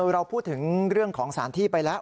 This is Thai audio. เราพูดถึงเรื่องของสถานที่ไปแล้ว